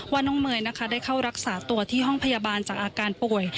ว่าน้องเมย์นะคะได้เข้ารักษาตัวที่ห้องพยาบาลจากอาการป่วย